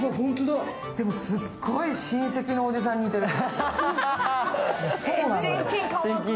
でも、すっごい親戚のおじさんに似てる、親近感湧く。